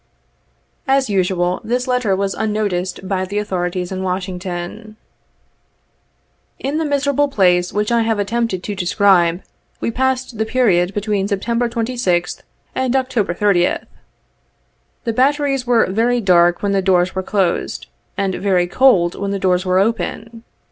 As usual, this letter was unnoticed by the authorities in Washington. In the miserable place which I have attempted to de scribe, we passed the period between September 26th and October 30th. The batteries were very dark when the doors were closed, and very cold when the doors were open.